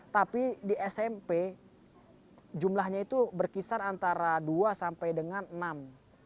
tapi di smp jumlahnya itu berkisar antara dua sampai dengan enam